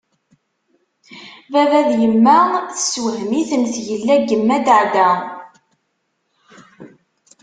Baba d yemma tessewhem-iten tgella n yemma Daɛda.